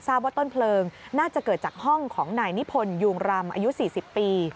ว่าต้นเพลิงน่าจะเกิดจากห้องของนายนิพนธยูงรำอายุ๔๐ปี